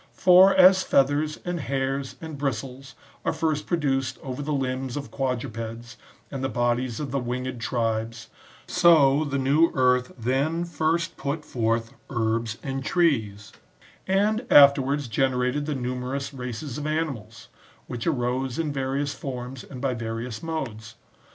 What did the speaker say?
^ For as feathers, and hairs, and bristles, are first produced over the limbs of quadrupeds and the bodies of the winged tribes, so the new earth then first put forth herbs and trees ; and afterwards generated the numerous races of animals,^ which arose in various forms and by various modes.